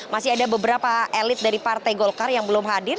masih ada beberapa elit dari partai golkar yang belum hadir